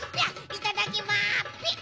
いただきまピッ。